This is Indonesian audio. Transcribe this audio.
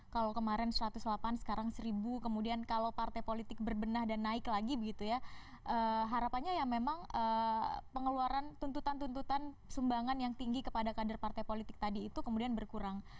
kalau kemarin satu ratus delapan sekarang seribu kemudian kalau partai politik berbenah dan naik lagi begitu ya harapannya ya memang pengeluaran tuntutan tuntutan sumbangan yang tinggi kepada kader partai politik tadi itu kemudian berkurang